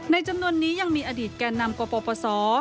จำนวนนี้ยังมีอดีตแก่นำกปศ